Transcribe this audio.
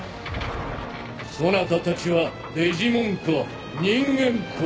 そなたたちはデジモンか人間か？